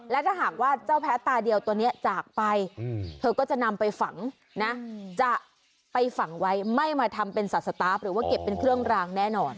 และถ้าหากว่าเจ้าแพ้ตาเดียวตัวนี้จากไปเธอก็จะนำไปฝังนะจะไปฝังไว้ไม่มาทำเป็นสัตว์สตาร์ฟหรือว่าเก็บเป็นเครื่องรางแน่นอน